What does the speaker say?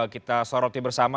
kita soroti bersama